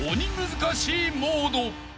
難しいモード］